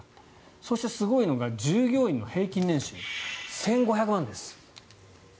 そして、すごいのが従業員の平均年収１５００万です。